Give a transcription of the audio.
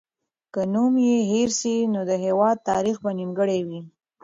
که نوم یې هېر سي، نو د هېواد تاریخ به نیمګړی وي.